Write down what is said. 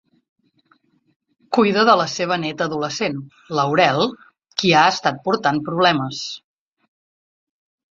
Cuida de la seva néta adolescent, Laurel, qui ha estat portant problemes.